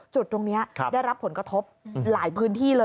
จุดตรงนี้ได้รับผลกระทบหลายพื้นที่เลย